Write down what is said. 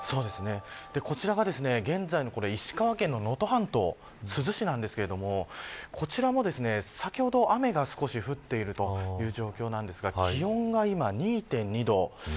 こちらは現在の石川県の能登半島珠洲市なんですがこちらも先ほど雨が少し降っているという状況なんですが気温が今２．２度。